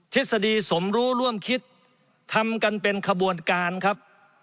ทฤษฎีสมรู้ร่วมคิดทำกันเป็นขบวนการครับ